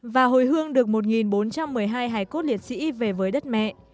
và hồi hương được một bốn trăm một mươi hai hải cốt liệt sĩ về với đất mẹ